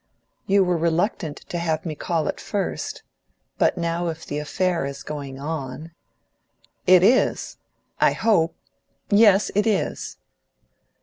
"You were reluctant to have me call at first, but now if the affair is going on " "It is! I hope yes, it is!"